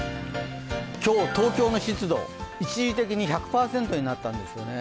今日、東京の湿度、一時的に１００％になったんですよね